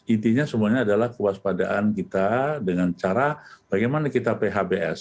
intinya semuanya adalah kewaspadaan kita dengan cara bagaimana kita phbs